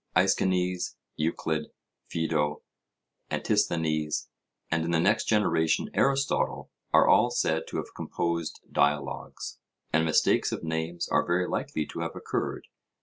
Aeschines, Euclid, Phaedo, Antisthenes, and in the next generation Aristotle, are all said to have composed dialogues; and mistakes of names are very likely to have occurred.